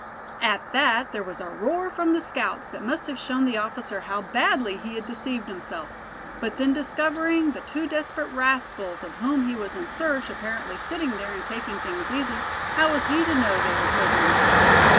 At that there was a roar from the scouts that must have shown the officer how badly he had deceived himself; but then discovering the two desperate rascals of whom he was in search, apparently sitting there, and taking things easy, how was he to know they were prisoners.